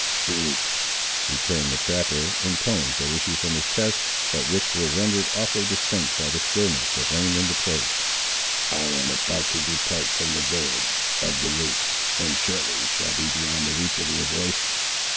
"Speak," returned the trapper, in tones that issued from his chest, but which were rendered awfully distinct by the stillness that reigned in the place. "I am about to depart from the village of the Loups, and shortly shall be beyond the reach of your voice."